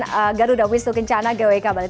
di kawasan garuda wisnu kencana gwk bali